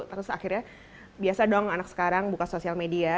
terus akhirnya biasa dong anak sekarang buka sosial media